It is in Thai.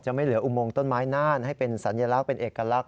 ไม่เหลืออุโมงต้นไม้น่านให้เป็นสัญลักษณ์เป็นเอกลักษ